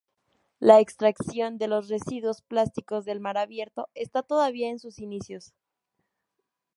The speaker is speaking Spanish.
La extracción de los residuos plásticos del mar abierto está todavía en sus inicios.